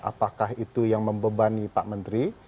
apakah itu yang membebani pak menteri